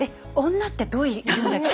女ってどういう生き物だっけ？